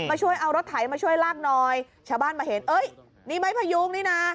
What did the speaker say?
ช่วยเอารถไถมาช่วยลากหน่อยชาวบ้านมาเห็นเอ้ยนี่ไม้พยุงนี่นะ